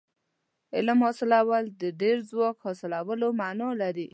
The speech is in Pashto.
علم حاصلول د ډېر ځواک حاصلولو معنا لري.